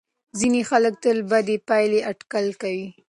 ځینې خلک تل بدې پایلې اټکل کوي.